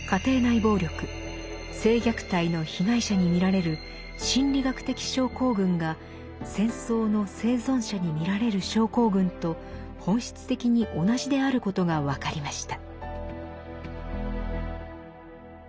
暴力性虐待の被害者に見られる心理学的症候群が戦争の生存者に見られる症候群と本質的に同じであることが分かりました。